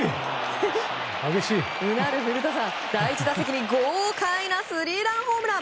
第１打席に豪快なスリーランホームラン。